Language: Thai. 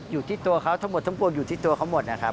อยู่ที่ตัวเขาทั้งหมดทั้งปวงอยู่ที่ตัวเขาหมดนะครับ